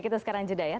kita sekarang jeda ya